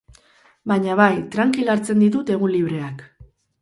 Baina bai, trankil hartzen ditut egun libreak.